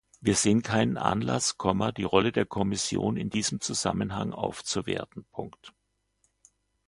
Wir sehen keinen Anlass, die Rolle der Kommission in diesem Zusammenhang aufzuwerten.